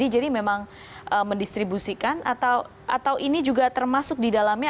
jadi memang mendistribusikan atau ini juga termasuk di dalamnya